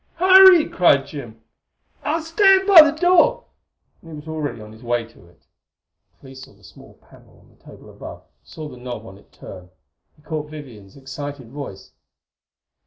"Hurry!" cried Jim. "I'll stand by the door!" And he was already on his way to it. Clee saw the small panel on the table above; saw the knob on it turn. He caught Vivian's excited voice.